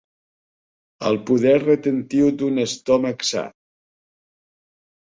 El poder retentiu d'un estómac sa.